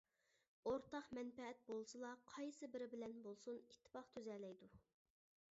ئورتاق مەنپەئەت بولسىلا قايسى بىرى بىلەن بولسۇن ئىتتىپاق تۈزەلەيدۇ.